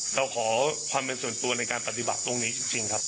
เราขอความเป็นส่วนตัวในการปฏิบัติตรงนี้จริงครับ